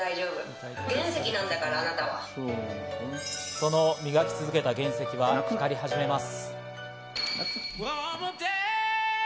その磨き続けた原石は光り始めます。